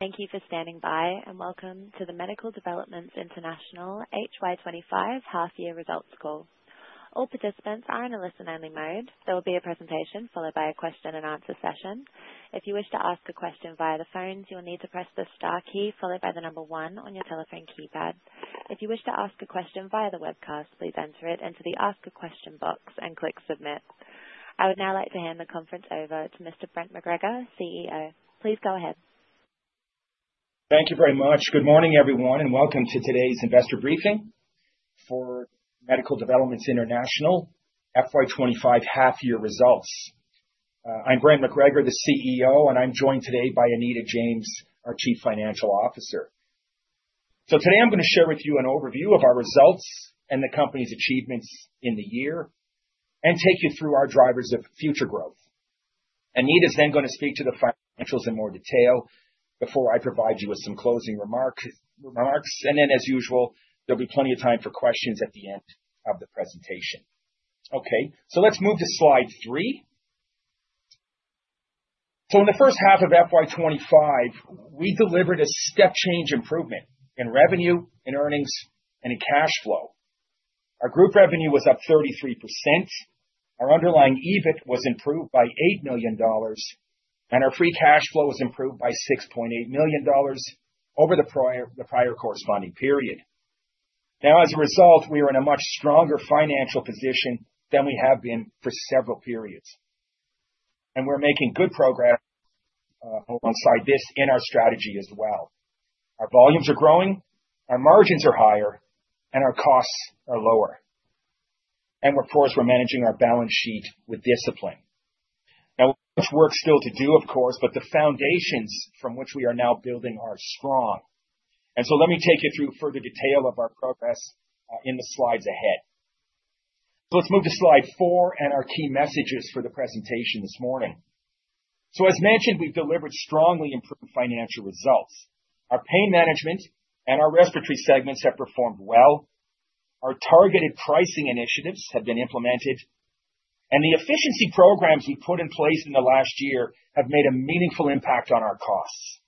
Thank you for standing by, and welcome to the Medical Developments International HY25 half year results call. All participants are in a listen-only mode. There will be a presentation followed by a question-and-answer session. If you wish to ask a question via the phones, you will need to press the star key followed by the number one on your telephone keypad. If you wish to ask a question via the webcast, please enter it into the Ask a Question box and click Submit. I would now like to hand the conference over to Mr. Brent MacGregor, CEO. Please go ahead. Thank you very much. Good morning, everyone. Welcome to today's investor briefing for Medical Developments International FY25 half year results. I'm Brent MacGregor, the CEO, and I'm joined today by Anita James, our Chief Financial Officer. Today, I'm going to share with you an overview of our results and the company's achievements in the year and take you through our drivers of future growth. Anita is then going to speak to the financials in more detail before I provide you with some closing remarks. As usual, there'll be plenty of time for questions at the end of the presentation. Let's move to slide three. In the first half of FY25, we delivered a step change improvement in revenue, in earnings, and in cash flow. Our group revenue was up 33%. Our underlying EBIT was improved by 8 million dollars, and our free cash flow was improved by 6.8 million dollars over the prior corresponding period. As a result, we are in a much stronger financial position than we have been for several periods, and we're making good progress alongside this in our strategy as well. Our volumes are growing, our margins are higher, and our costs are lower. Of course, we're managing our balance sheet with discipline. There's work still to do, of course, but the foundations from which we are now building are strong. Let me take you through further detail of our progress in the slides ahead. Let's move to slide four and our key messages for the presentation this morning. As mentioned, we've delivered strongly improved financial results. Our pain management and our respiratory segments have performed well. Our targeted pricing initiatives have been implemented, and the efficiency programs we put in place in the last year have made a meaningful impact on our costs.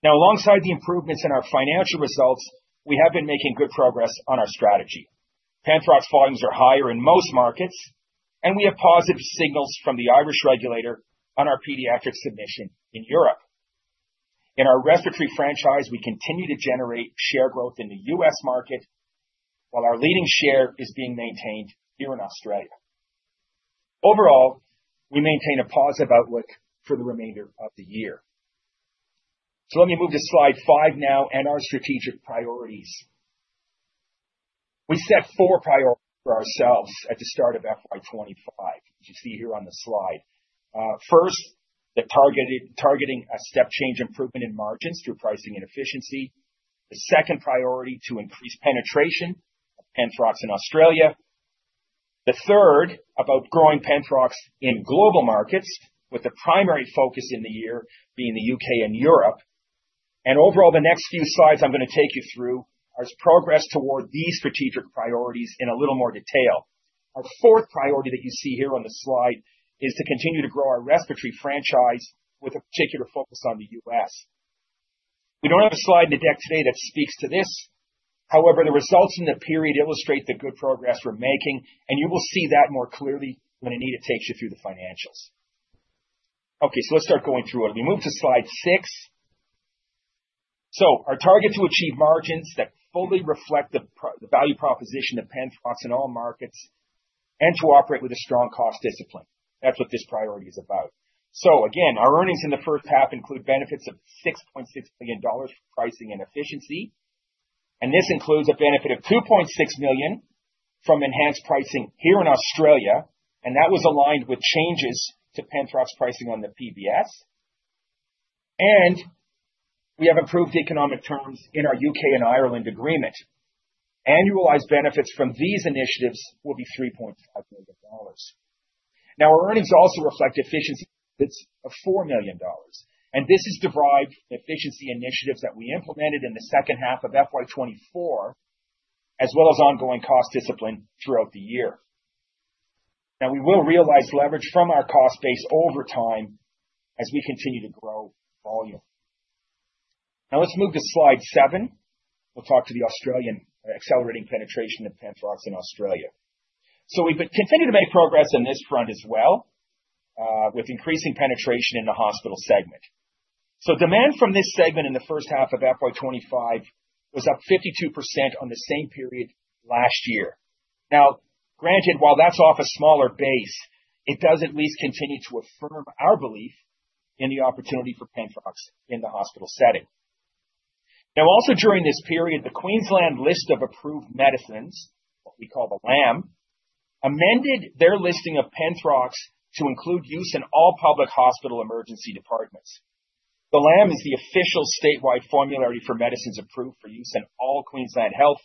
Now, alongside the improvements in our financial results, we have been making good progress on our strategy. Penthrox volumes are higher in most markets, and we have positive signals from the Irish regulator on our pediatric submission in Europe. In our respiratory franchise, we continue to generate share growth in the U.S. market, while our leading share is being maintained here in Australia. Overall, we maintain a positive outlook for the remainder of the year. Let me move to slide 5 now and our strategic priorities. We set four priorities for ourselves at the start of FY25, as you see here on the slide. First, targeting a step change improvement in margins through pricing and efficiency. The second priority, to increase penetration of Penthrox in Australia. The third, about growing Penthrox in global markets, with the primary focus in the year being the U.K. and Europe. Overall, the next few slides I'm going to take you through, are progress toward these strategic priorities in a little more detail. Our fourth priority that you see here on the slide is to continue to grow our respiratory franchise with a particular focus on the U.S. We don't have a slide in the deck today that speaks to this. However, the results in the period illustrate the good progress we're making, and you will see that more clearly when Anita takes you through the financials. Okay, let's start going through it. Let me move to slide six. Our target to achieve margins that fully reflect the value proposition of Penthrox in all markets and to operate with a strong cost discipline. That's what this priority is about. Again, our earnings in the first half include benefits of 6.6 million dollars pricing and efficiency, and this includes a benefit of 2.6 million from enhanced pricing here in Australia, and that was aligned with changes to Penthrox pricing on the PBS. We have improved the economic terms in our U.K. and Ireland agreement. Annualized benefits from these initiatives will be 3.5 million dollars. Our earnings also reflect efficiency of 4 million dollars, and this is derived from efficiency initiatives that we implemented in the second half of FY24, as well as ongoing cost discipline throughout the year. Now, we will realize leverage from our cost base over time as we continue to grow volume. Now, let's move to slide 7. We'll talk to accelerating penetration of Penthrox in Australia. We've been continuing to make progress on this front as well, with increasing penetration in the hospital segment. Demand from this segment in the first half of FY25 was up 52% on the same period last year. Now, granted, while that's off a smaller base, it does at least continue to affirm our belief in the opportunity for Penthrox in the hospital setting. Now, also during this period, the Queensland List of Approved Medicines, what we call the LAM, amended their listing of Penthrox to include use in all public hospital emergency departments. The LAM is the official statewide formulary for medicines approved for use in all Queensland Health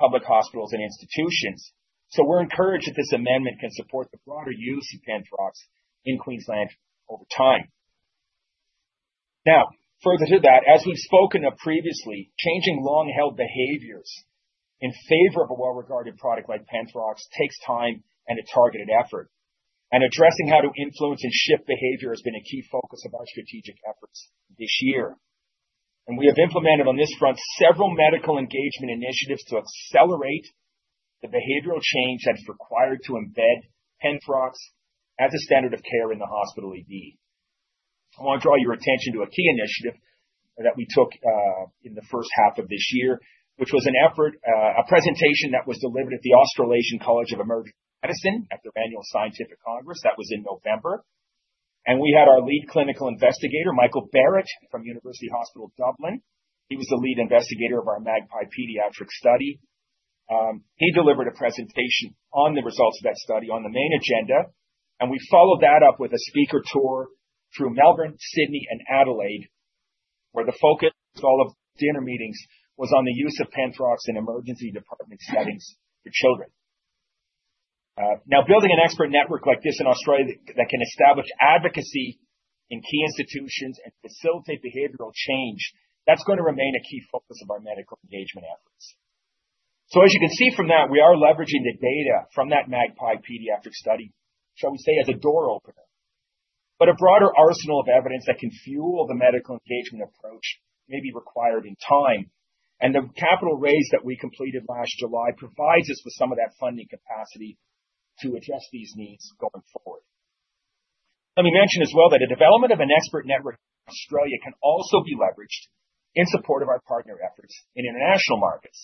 public hospitals and institutions. We're encouraged that this amendment can support the broader use of Penthrox in Queensland over time. Further to that, as we've spoken of previously, changing long-held behaviors in favor of a well-regarded product like Penthrox takes time and a targeted effort. Addressing how to influence and shift behavior has been a key focus of our strategic efforts this year. We have implemented on this front, several medical engagement initiatives to accelerate the behavioral change that is required to embed Penthrox as a standard of care in the hospital ED. I want to draw your attention to a key initiative that we took in the first half of this year, which was an effort, a presentation that was delivered at the Australasian College for Emergency Medicine at their annual scientific congress. That was in November. We had our lead clinical investigator, Michael Barrett, from University Hospital, Dublin. He was the lead investigator of our MAGPIE pediatric study. He delivered a presentation on the results of that study on the main agenda, and we followed that up with a speaker tour through Melbourne, Sydney, and Adelaide, where the focus of all of the dinner meetings was on the use of Penthrox in emergency department settings for children. Now, building an expert network like this in Australia, that, that can establish advocacy in key institutions and facilitate behavioral change, that's going to remain a key focus of our medical engagement efforts. As you can see from that, we are leveraging the data from that MAGPIE pediatric study, shall we say, as a door opener. But a broader arsenal of evidence that can fuel the medical engagement approach may be required in time, and the capital raise that we completed last July provides us with some of that funding capacity to address these needs going forward. Let me mention as well, that the development of an expert network in Australia can also be leveraged in support of our partner efforts in international markets.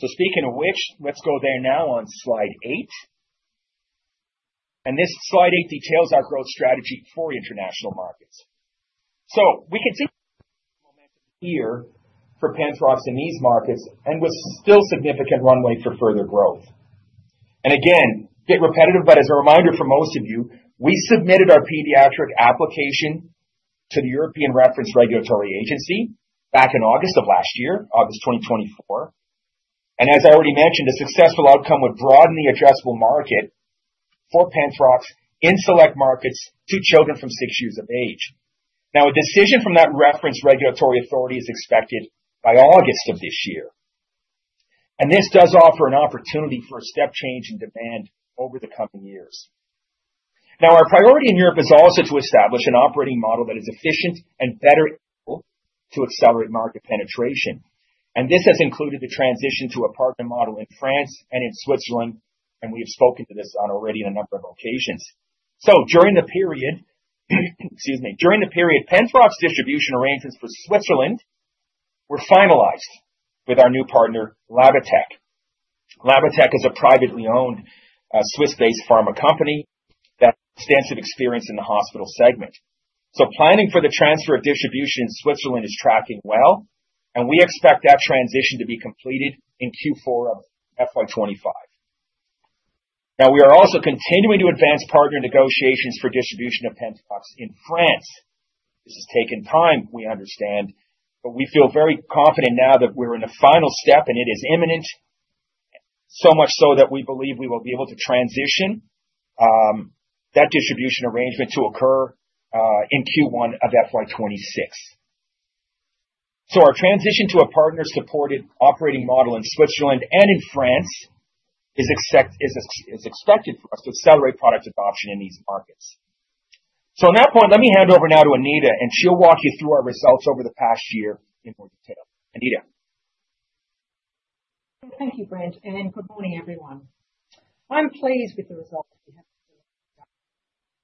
Speaking of which, let's go there now on slide 8. This slide 8 details our growth strategy for international markets. We can see momentum here for Penthrox in these markets, and with still significant runway for further growth. Again, get repetitive, but as a reminder, for most of you, we submitted our pediatric application to the European Reference Regulatory Agency back in August of last year, August 2024. As I already mentioned, a successful outcome would broaden the addressable market for Penthrox in select markets to children from 6 years of age. A decision from that reference regulatory authority is expected by August of this year. This does offer an opportunity for a step change in demand over the coming years. Our priority in Europe is also to establish an operating model that is efficient and better to accelerate market penetration. This has included the transition to a partner model in France and in Switzerland, and we have spoken to this on already on a number of occasions. During the period, excuse me, during the period, Penthrox's distribution arrangements for Switzerland were finalized with our new partner, Labatec. Labatec is a privately owned, Swiss-based pharma company that has extensive experience in the hospital segment. Planning for the transfer of distribution in Switzerland is tracking well, and we expect that transition to be completed in Q4 of FY25. We are also continuing to advance partner negotiations for distribution of Penthrox in France. This has taken time, we understand, but we feel very confident now that we're in the final step, and it is imminent. Much so that we believe we will be able to transition, that distribution arrangement to occur, in Q1 of FY26. Our transition to a partner-supported operating model in Switzerland and in France is expected for us to accelerate product adoption in these markets. On that point, let me hand over now to Anita, and she'll walk you through our results over the past year in more detail. Anita? Thank you, Brent. Good morning, everyone. I'm pleased with the results that we have.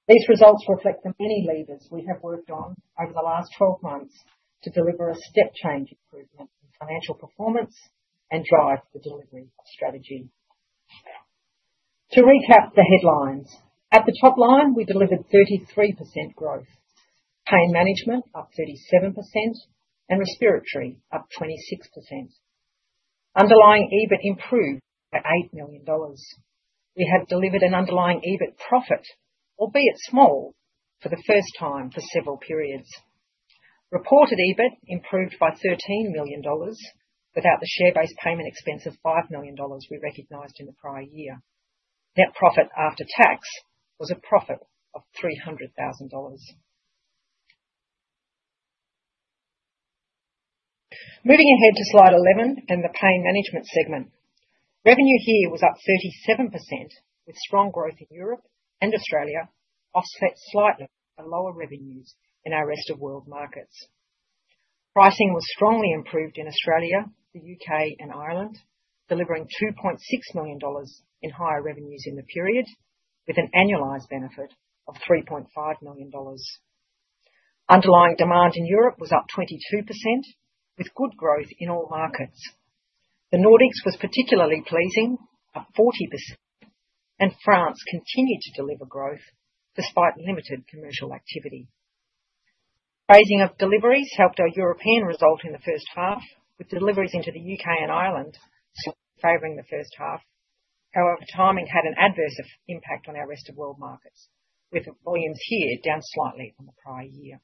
These results reflect the many levers we have worked on over the last 12 months to deliver a step change improvement in financial performance and drive the delivery of strategy. To recap the headlines: at the top line, we delivered 33% growth, pain management up 37%, and respiratory up 26%. Underlying EBIT improved by $8 million. We have delivered an underlying EBIT profit, albeit small, for the first time for several periods. Reported EBIT improved by $13 million, without the share-based payment expense of $5 million we recognized in the prior year. Net profit after tax was a profit of $300,000. Moving ahead to Slide 11 and the pain management segment. Revenue here was up 37%, with strong growth in Europe and Australia, offset slightly by lower revenues in our rest of world markets. Pricing was strongly improved in Australia, the U.K. and Ireland, delivering 2.6 million dollars in higher revenues in the period, with an annualized benefit of 3.5 million dollars. Underlying demand in Europe was up 22%, with good growth in all markets. The Nordics was particularly pleasing, up 40%, and France continued to deliver growth despite limited commercial activity. Phasing of deliveries helped our European result in the first half, with deliveries into the U.K. and Ireland favoring the first half. However, timing had an adverse impact on our rest of world markets, with volumes here down slightly from the prior year.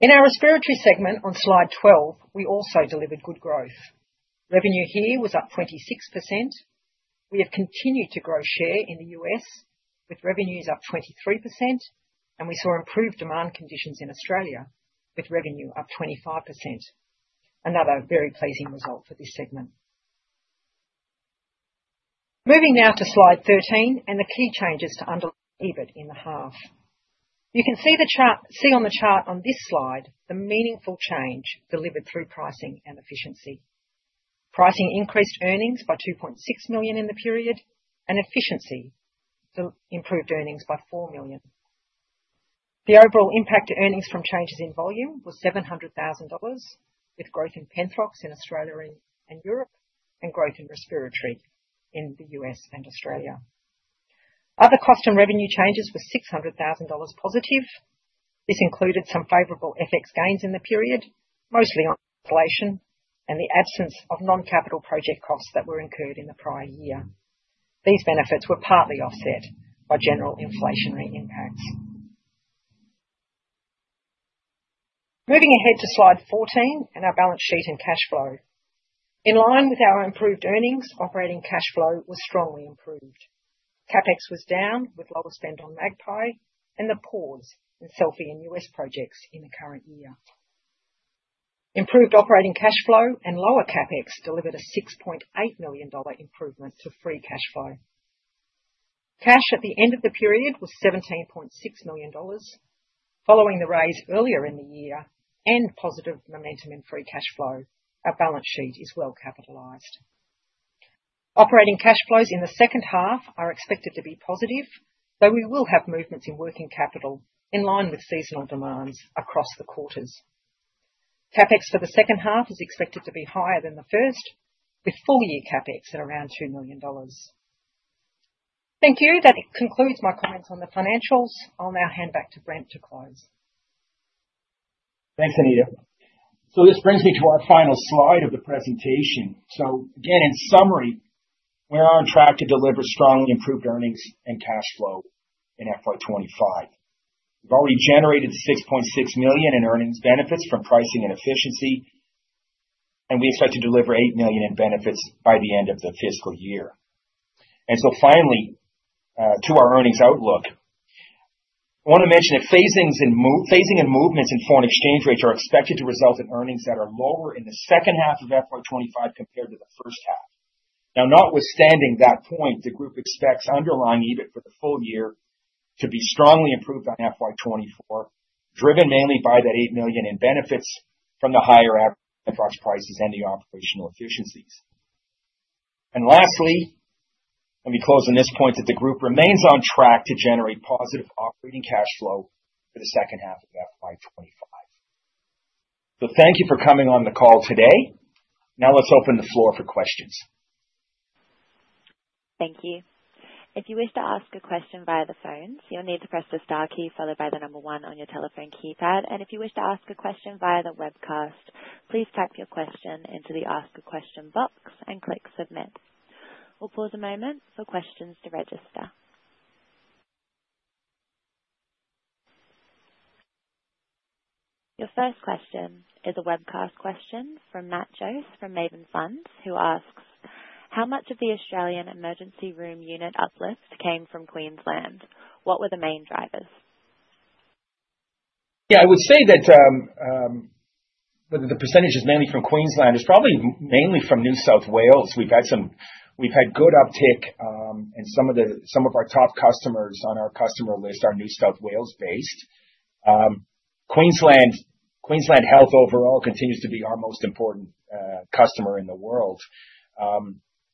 In our respiratory segment on Slide 12, we also delivered good growth. Revenue here was up 26%. We have continued to grow share in the U.S., with revenues up 23%, and we saw improved demand conditions in Australia, with revenue up 25%. Another very pleasing result for this segment. Moving now to Slide 13, the key changes to underlying EBIT in the half. You can see the chart on this slide, the meaningful change delivered through pricing and efficiency. Pricing increased earnings by 2.6 million in the period, and efficiency improved earnings by 4 million. The overall impact to earnings from changes in volume was 700,000 dollars, with growth in Penthrox in Australia and Europe, and growth in respiratory in the U.S. and Australia. Other cost and revenue changes were 600,000 dollars positive. This included some favorable FX gains in the period, mostly on inflation and the absence of non-capital project costs that were incurred in the prior year. These benefits were partly offset by general inflationary impacts. Moving ahead to Slide 14, and our balance sheet and cash flow. In line with our improved earnings, operating cash flow was strongly improved. CapEx was down, with lower spend on MAGPIE and the pause in selfie and U.S. projects in the current year. Improved operating cash flow and lower CapEx delivered a 6.8 million dollar improvement to free cash flow. Cash at the end of the period was 17.6 million dollars. Following the raise earlier in the year and positive momentum in free cash flow, our balance sheet is well capitalized. Operating cash flows in the second half are expected to be positive, though we will have movements in working capital in line with seasonal demands across the quarters. CapEx for the second half is expected to be higher than the first, with full year CapEx at around $2 million. Thank you. That concludes my comments on the financials. I'll now hand back to Brent to close. Thanks, Anita. This brings me to our final slide of the presentation. Again, in summary, we are on track to deliver strongly improved earnings and cash flow in FY25. We've already generated $6.6 million in earnings benefits from pricing and efficiency, and we expect to deliver $8 million in benefits by the end of the fiscal year. Finally, to our earnings outlook. I want to mention that phasings and phasing and movements in foreign exchange rates are expected to result in earnings that are lower in the second half of FY25 compared to the first half. Notwithstanding that point, the group expects underlying EBIT for the full year to be strongly improved on FY24, driven mainly by the $8 million in benefits from the higher average Penthrox prices and the operational efficiencies. Lastly, let me close on this point, that the group remains on track to generate positive operating cash flow for the second half of FY25. Thank you for coming on the call today. Let's open the floor for questions. Thank you. If you wish to ask a question via the phone, you'll need to press the star key followed by 1 on your telephone keypad. If you wish to ask a question via the webcast, please type your question into the Ask a Question box and click Submit. We'll pause a moment for questions to register. Your first question is a webcast question from Matt Joass from Maven Funds, who asks: How much of the Australian emergency room unit uplift came from Queensland? What were the main drivers? Yeah, I would say that the percentage is mainly from Queensland, is probably mainly from New South Wales. We've had good uptick, and some of the, some of our top customers on our customer list are New South Wales-based. Queensland, Queensland Health overall continues to be our most important customer in the world.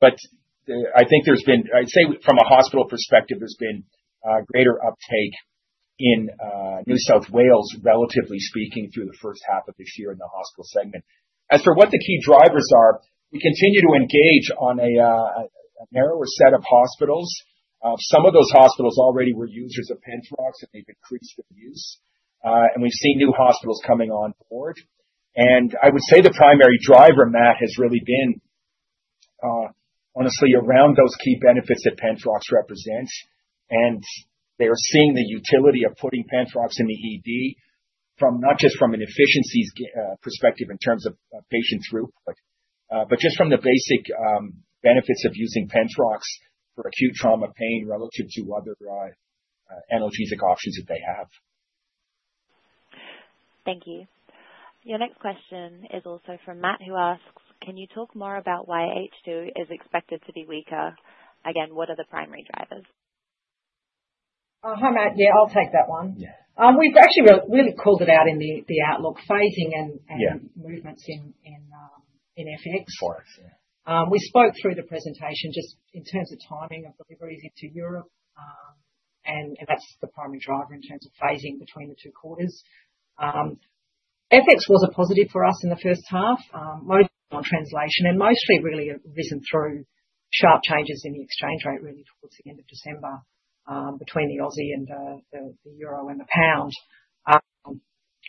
I think there's been, I'd say from a hospital perspective, there's been a greater uptake in New South Wales, relatively speaking, through the first half of this year in the hospital segment. As for what the key drivers are, we continue to engage on a narrower set of hospitals. Some of those hospitals already were users of Penthrox, and they've increased their use. We've seen new hospitals coming on board. I would say the primary driver, Matt, has really been, honestly around those key benefits that Penthrox represents. They are seeing the utility of putting Penthrox in the ED from, not just from an efficiencies perspective in terms of, of patient throughput, but just from the basic, benefits of using Penthrox for acute trauma pain relative to other dry, analgesic options that they have. Thank you. Your next question is also from Matt, who asks: Can you talk more about why H2 is expected to be weaker? Again, what are the primary drivers? Hi, Matt. Yeah, I'll take that one. Yeah. We've actually really called it out in the, the outlook phasing and. Yeah Movements in, in, in FX. For us, yeah. We spoke through the presentation just in terms of timing of deliveries into Europe, and that's the primary driver in terms of phasing between the two quarters. FX was a positive for us in the first half, mostly on translation and mostly really risen through sharp changes in the exchange rate really towards the end of December, between the Aussie and the euro and the pound.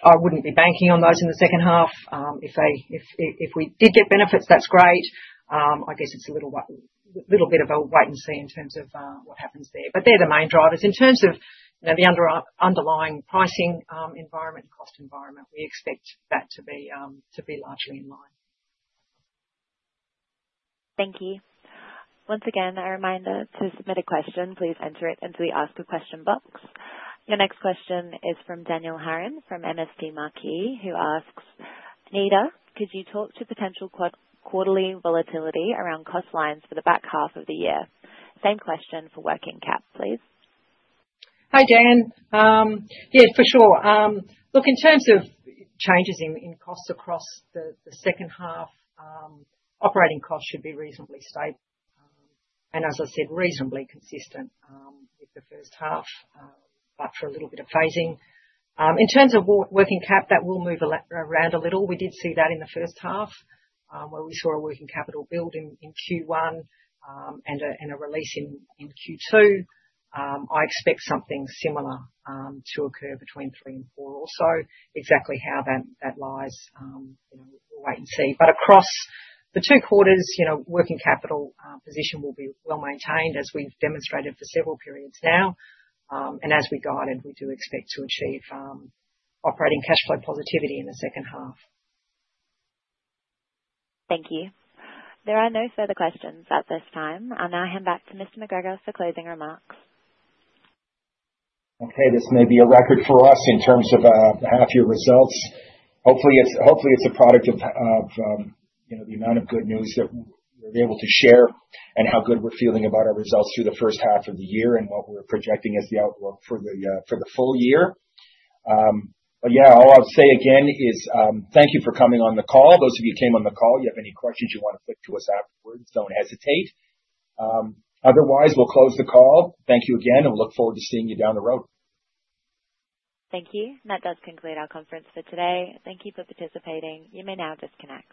I wouldn't be banking on those in the second half. If they, if, if, if we did get benefits, that's great. I guess it's a little bit of a wait and see in terms of what happens there. They're the main drivers. In terms of, you know, the underlying pricing, environment and cost environment, we expect that to be largely in line. Thank you. Once again, a reminder, to submit a question, please enter it into the ask a question box. Your next question is from Daniel Hurren, from MST Marquee, who asks: Anita, could you talk to potential quarterly volatility around cost lines for the back half of the year? Same question for working cap, please. Hi, Dan. Yeah, for sure. Look, in terms of changes in costs across the second half, operating costs should be reasonably stable. As I said, reasonably consistent with the first half, but for a little bit of phasing. In terms of working cap, that will move around a little. We did see that in the first half, where we saw a working capital build in Q1, and a release in Q2. I expect something similar to occur between three and four or so. Exactly how that lies, you know, we'll wait and see. Across the two quarters, you know, working capital position will be well maintained, as we've demonstrated for several periods now. As we guided, we do expect to achieve operating cash flow positivity in the second half. Thank you. There are no further questions at this time. I'll now hand back to Mr. McGregor for closing remarks. Okay, this may be a record for us in terms of half year results. Hopefully it's, hopefully it's a product of of, you know, the amount of good news that we're able to share, and how good we're feeling about our results through the first half of the year, and what we're projecting as the outlook for the for the full year. Yeah, all I'll say again is, thank you for coming on the call. Those of you who came on the call, you have any questions you want to flick to us afterwards, don't hesitate. Otherwise, we'll close the call. Thank you again, and we look forward to seeing you down the road. Thank you. That does conclude our conference for today. Thank you for participating. You may now disconnect.